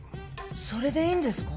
それでいいんですか？